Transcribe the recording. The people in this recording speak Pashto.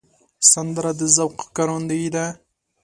سندره د ذوق ښکارندوی ده